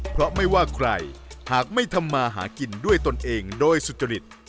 เพราะไม่ว่าใครหากไม่ทำมาหากินด้วยตนเองโดยสุจริต